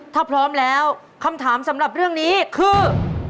ถ้าพร้อมแล้วคำถามสำหรับเรื่องนี้คือ